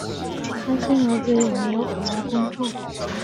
担心儿子有没有好好工作